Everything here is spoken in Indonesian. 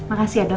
makasih ya dong